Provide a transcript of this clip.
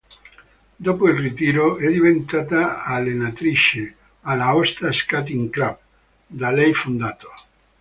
Dopo il ritiro è diventata allenatrice, all'Aosta Skating Club, da lei fondato.